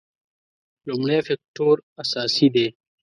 لومړی فکټور اساسي دی.